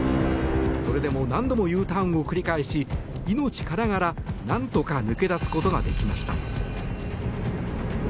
それでも何度もＵターンを繰り返し命からがら、何とか抜け出すことができました。